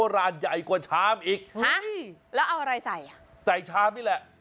ร้านใหญ่กว่าชามอีกฮะแล้วเอาอะไรใส่อ่ะใส่ชามนี่แหละ